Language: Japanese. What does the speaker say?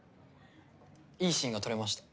いいシーンが撮れました。